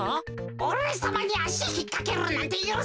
おれさまにあしひっかけるなんてゆるせん！